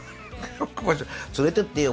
連れてってよ僕を。